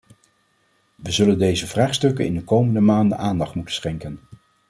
Wij zullen deze vraagstukken in de komende maanden aandacht moeten schenken.